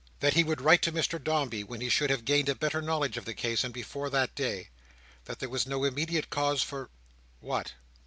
That he would write to Mr Dombey, when he should have gained a better knowledge of the case, and before that day. That there was no immediate cause for—what?